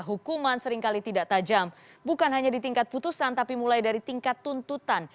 hukuman seringkali tidak tajam bukan hanya di tingkat putusan tapi mulai dari tingkat tuntutan